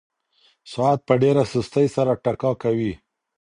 ساعت په ډېره سستۍ سره ټکا کوي.